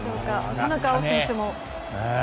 田中碧選手も。